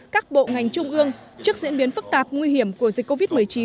các bộ ngành trung ương trước diễn biến phức tạp nguy hiểm của dịch covid một mươi chín